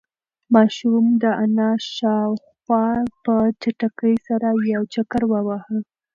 ماشوم د انا شاوخوا په چټکۍ سره یو چکر وواهه.